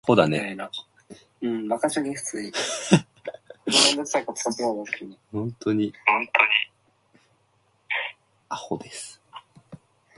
The islands are volcanic in origin.